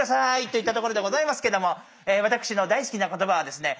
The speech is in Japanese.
といったところでございますけども私の大好きな言葉はですね